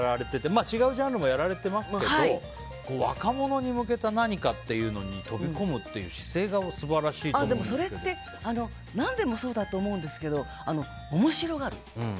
まあ違うジャンルもやられてますけど若者に向けた何かっていうのに飛び込むというそれって何でもそうだと思うんですけど面白がる。